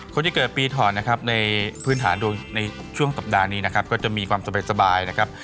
คนที่เกิดปีถอนนะครับในพื้นฐานดวงในช่วงสัปดาห์นี้นะครับก็จะมีความสบายนะครับ